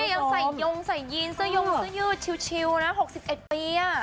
ยังใส่ยงใส่ยีนเสื้อยงเสื้อยืดชิวนะ๖๑ปี